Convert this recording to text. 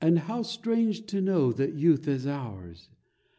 How strange to know that youth is ours!